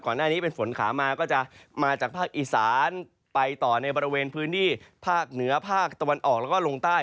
หน้านี้เป็นฝนขามาก็จะมาจากภาคอีสานไปต่อในบริเวณพื้นที่ภาคเหนือภาคตะวันออกแล้วก็ลงใต้